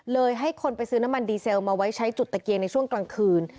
ให้คนไปซื้อน้ำมันดีเซลมาไว้ใช้จุดตะเกียงในช่วงกลางคืน